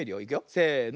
せの。